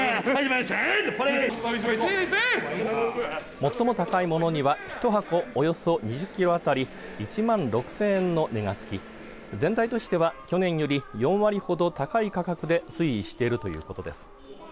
最も高いものには一箱およそ２０キロ当たり１万６０００円の値がつき全体としては去年より４割ほど高い価格で推移しているということです。